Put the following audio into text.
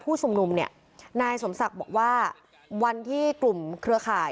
ชุมนุมเนี่ยนายสมศักดิ์บอกว่าวันที่กลุ่มเครือข่าย